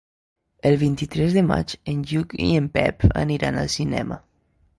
El vint-i-tres de maig en Lluc i en Pep aniran al cinema.